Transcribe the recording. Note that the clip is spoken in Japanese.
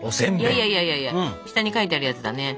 いやいやいやいや下に書いてあるやつだね。